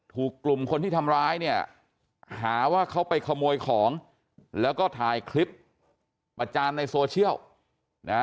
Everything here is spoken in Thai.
ถูกกลุ่มคนที่ทำร้ายเนี่ยหาว่าเขาไปขโมยของแล้วก็ถ่ายคลิปประจานในโซเชียลนะฮะ